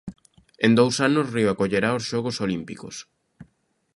En dous anos, Río acollerá os Xogos Olímpicos.